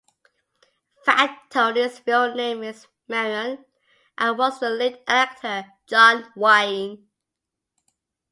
Fat Tony's real name is Marion, as was the late actor John Wayne.